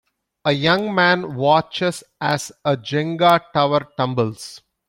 A young man watches as a Jenga tower tumbles.